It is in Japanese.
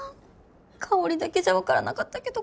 香りだけじゃ分からなかったけど